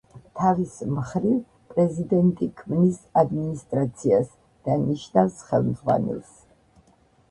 თავის მხრივ, პრეზიდენტი ქმნის ადმინისტრაციას და ნიშნავს ხელმძღვანელს.